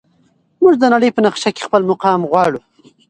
موږ د نړۍ په نقشه کې خپل مقام غواړو.